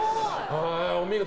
お見事。